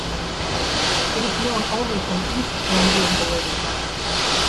It is known only from East Andean Bolivia.